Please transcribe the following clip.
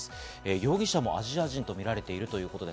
容疑者もアジア人とみられているということです。